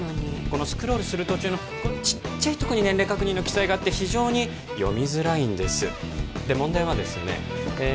このスクロールする途中のこのちっちゃいとこに年齢確認の記載があって非常に読みづらいんですで問題はですねえ